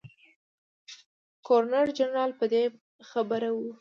ګورنر جنرال په دې خبر وو.